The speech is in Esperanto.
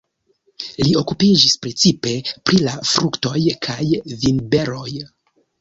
Li okupiĝis precipe pri la fruktoj kaj vinberoj.